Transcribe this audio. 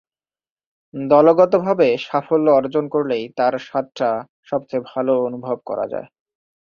দলগতভাবে সাফল্য অর্জন করলেই তার স্বাদটা সবচেয়ে ভালো অনুভব করা যায়।